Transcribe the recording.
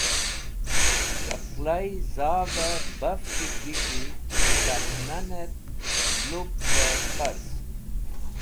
Caqlai Zave baf didg̃hiki Tat nanet Lupove Farz